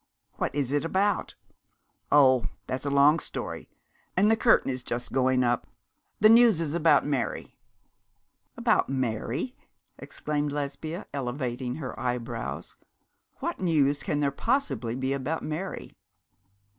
'What is it about?' 'Oh! that's a long story, and the curtain is just going up. The news is about Mary.' 'About Mary!' exclaimed Lesbia, elevating her eyebrows. 'What news can there possibly be about Mary?'